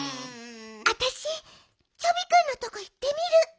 あたしチョビくんのとこいってみる。